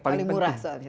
paling murah soalnya